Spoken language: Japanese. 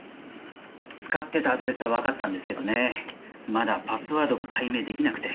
使ってたアドレスはわかったんですけどねまだパスワードが解明出来なくて。